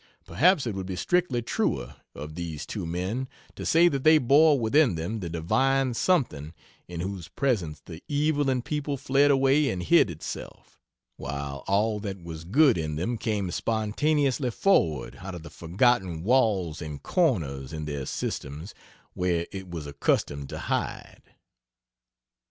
Perhaps it would be strictly truer of these two men to say that they bore within them the divine something in whose presence the evil in people fled away and hid itself, while all that was good in them came spontaneously forward out of the forgotten walls and comers in their systems where it was accustomed to hide."